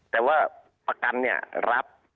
แต่ว่าประกันเนี่ยรับ